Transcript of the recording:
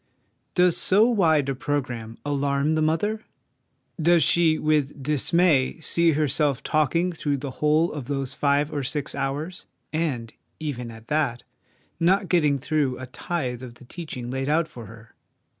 Does so wide a programme alarm the mother? Does she with dismay see herself talking through the whole of those five or six hours, and, even at that, not getting through a tithe of the teach ing laid out for her?